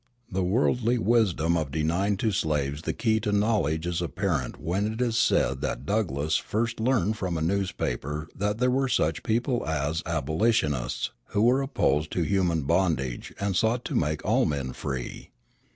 The worldly wisdom of denying to slaves the key to knowledge is apparent when it is said that Douglass first learned from a newspaper that there were such people as abolitionists, who were opposed to human bondage and sought to make all men free.